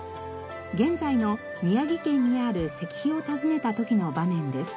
現在の宮城県にある石碑を訪ねた時の場面です。